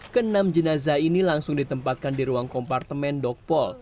kenam jenazah ini langsung ditempatkan di ruang kompartemen dokpol